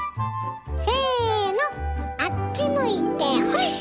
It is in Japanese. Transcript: せのあっち向いてホイ！